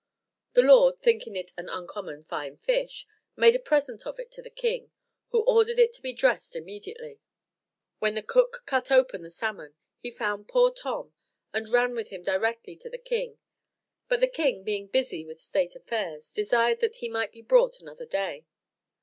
The lord, thinking it an uncommon fine fish, made a present of it to the king, who ordered it to be dressed immediately. When the cook cut open the salmon, he found poor Tom, and ran with him directly to the king; but the king, being busy with state affairs, desired that he might be brought another day.